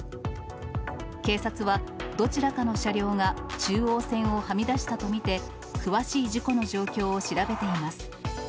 警察はどちらかの車両が中央線をはみ出したと見て、詳しい事故の状況を調べています。